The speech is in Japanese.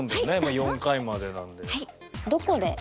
４回までなので。